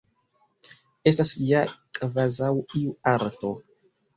Estas ja kvazaŭ iu arto.